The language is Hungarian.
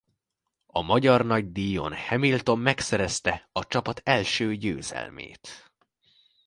A magyar nagydíjon Hamilton megszerezte a csapat első győzelmét.